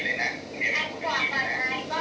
อะไรก็ได้แต่ต้องไม่กระทบกับคุณ